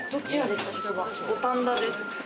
五反田です。